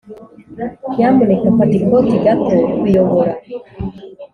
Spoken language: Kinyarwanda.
nyamuneka fata ikoti gato. _kuyobora